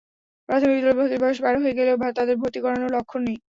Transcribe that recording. প্রাথমিক বিদ্যালয়ে ভর্তির বয়স পার হয়ে গেলেও তাদের ভর্তি করানোর লক্ষণ নেই।